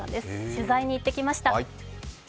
取材に行ってきました。